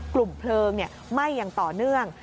กลุ่มเพลิงไหม้อย่างต่อเนื่อง